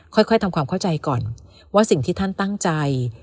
ค่อยทำความเข้าใจก่อนว่าสิ่งที่ท่านตั้งใจ